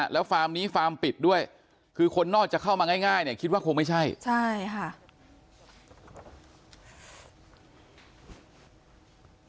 แล้วฟาร์มนี้ฟาร์มปิดด้วยคือคนนอกจะเข้ามาง่ายเนี่ยคิดว่าคงไม่ใช่ใช่ค่ะ